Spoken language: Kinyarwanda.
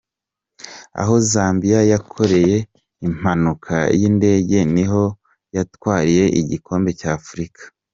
Aho Zambia yakoreye impanuka y’indege niho yatwariye igikombe cy’Afrika.